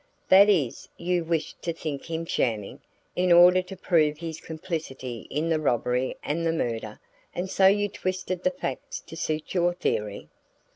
"That is, you wished to think him shamming, in order to prove his complicity in the robbery and the murder; and so you twisted the facts to suit your theory?"